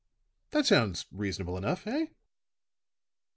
"That sounds reasonable enough, eh?"